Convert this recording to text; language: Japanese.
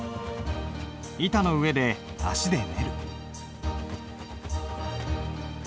板の上で足で練る。